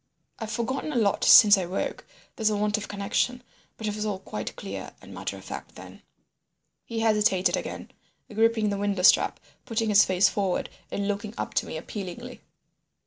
I've forgotten a lot since I woke—there's a want of connection—but it was all quite clear and matter of fact then." He hesitated again, gripping the window strap, putting his face forward and looking up to me appealingly.